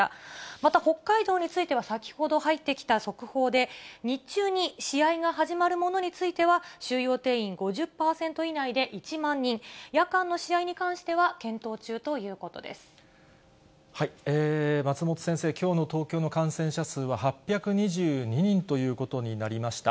また北海道については、先ほど入ってきた速報で、日中に試合が始まるものについては、収容定員５０％以内で１万人、夜間の試合に関しては検討中とい松本先生、きょうの東京の感染者数は８２２人ということになりました。